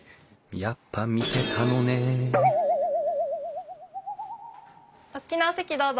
やっぱ見てたのねお好きなお席どうぞ。